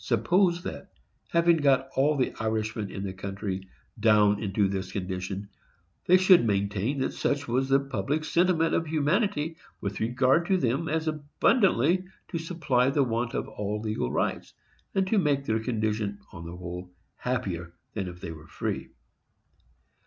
Suppose that, having got all the Irishmen in the country down into this condition, they should maintain that such was the public sentiment of humanity with regard to them as abundantly to supply the want of all legal rights, and to make their condition, on the whole, happier than if they were free.